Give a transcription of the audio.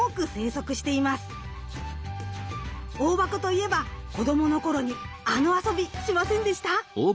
オオバコといえば子どもの頃にあの遊びしませんでした？